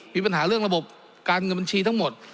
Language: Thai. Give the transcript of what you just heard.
มีปัญหาเรื่องระบบการเงินบัญชีทั้งหมด